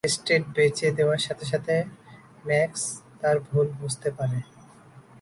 Estate বেচে দেওয়ার সাথে সাথে ম্যাক্স তার ভুল বুঝতে পারে।